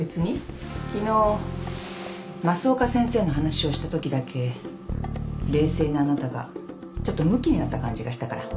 昨日増岡先生の話をしたときだけ冷静なあなたがちょっとむきになった感じがしたから。